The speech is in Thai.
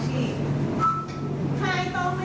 จริงครับ